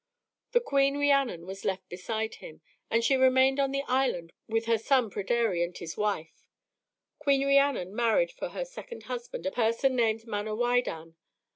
The queen Rhiannon was left beside him, and she remained on the island with her son Pryderi and his wife. Queen Rhiannon married for her second husband a person named Manawydan.